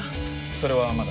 それはまだ。